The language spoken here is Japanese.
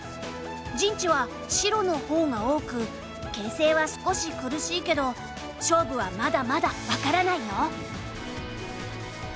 陣地は白の方が多く形勢は少し苦しいけど勝負はまだまだ分からないよ。